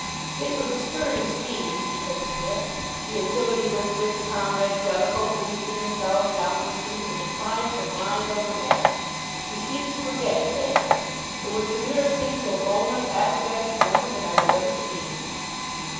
"It was a stirring scene," said Psmith. "The agility with which Comrade Jellicoe boosted himself down the shoot was a triumph of mind over matter. He seemed to forget his ankle. It was the nearest thing to a Boneless Acrobatic Wonder that I have ever seen."